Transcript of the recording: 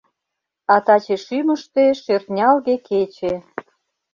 А таче шӱмыштӧ — шӧртнялге кече.